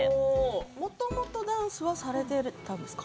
もともとダンスはやっていたんですか？